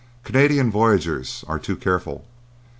—Canadian voyageurs are too careful.